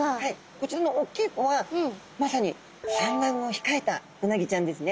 こちらのおっきい子はまさに産卵を控えたうなぎちゃんですね。